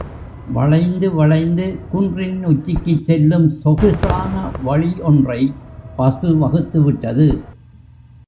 வளைந்து, வளைந்து குன்றின் உச்சிக்குச் செல்லும் சொகுசான வழி ஒன்றைப் பசு வகுத்து விட்டது.